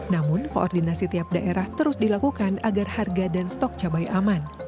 namun koordinasi tiap daerah terus dilakukan agar harga dan stok cabai aman